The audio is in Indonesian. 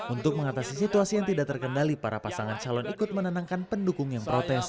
untuk mengatasi situasi yang tidak terkendali para pasangan calon ikut menenangkan pendukung yang protes